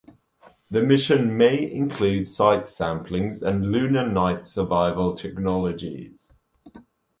The mission may include site sampling and lunar night survival technologies.